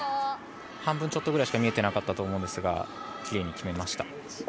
半分ちょっとぐらいしか見えていなかったと思いますがきれいに決めました。